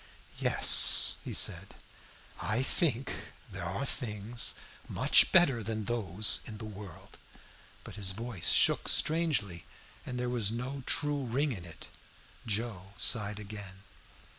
"Yes," he said, "I think there are things much better than those in the world." But his voice shook strangely, and there was no true ring in it. Joe sighed again.